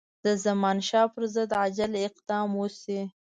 د زمانشاه پر ضد عاجل اقدام وشي.